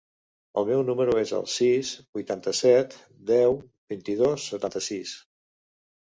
El meu número es el sis, vuitanta-set, deu, vint-i-dos, setanta-sis.